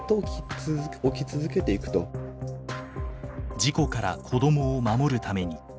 事故から子どもを守るために。